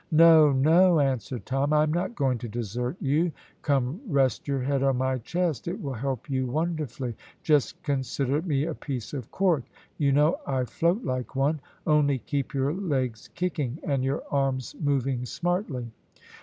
"No! no!" answered Tom, "I am not going to desert you, come rest your head on my chest. It will help you wonderfully, just consider me a piece of cork, you know I float like one, only keep your legs kicking and your arms moving smartly."